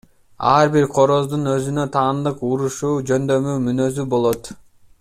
Ар бир короздун өзүнө таандык урушуу жөндөмү, мүнөзү болот.